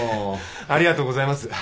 ありがとうございます。